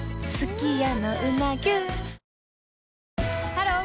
ハロー！